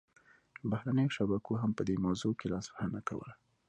بهرنیو شبکو هم په دې موضوع کې لاسوهنه کوله